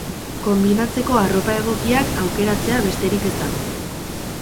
Konbinatzeko arropa egokiak aukeratzea besterik ez dago.